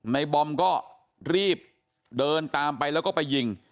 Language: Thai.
บอมก็รีบเดินตามไปแล้วก็ไปยิง